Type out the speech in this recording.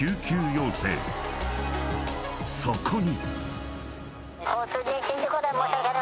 ［そこに］